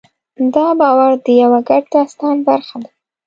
دا باور د یوه ګډ داستان برخه ده.